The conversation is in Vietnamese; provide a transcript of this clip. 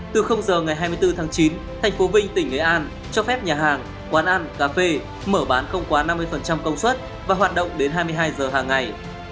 từ giờ ngày hai mươi bốn tháng chín thành phố vinh tỉnh nghệ an cho phép nhà hàng quán ăn cà phê mở bán không quá năm mươi công suất và hoạt động đến hai mươi hai giờ hàng ngày